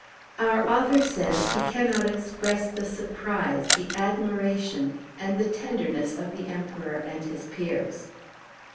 Our author says he cannot express the surprise, the admiration, and the tenderness of the Emperor and his peers.